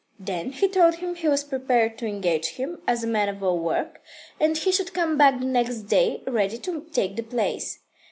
Then he told him he was prepared to engage him as man of all work, and he should come back the next day ready to take the place.